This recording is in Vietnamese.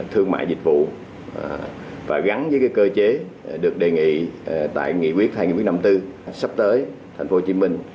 thương mại dịch vụ và gắn với cơ chế được đề nghị tại nghị quyết hai nghị quyết năm mươi bốn sắp tới thành phố hồ chí minh